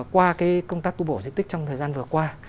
qua công tác tu bổ di tích trong thời gian vừa qua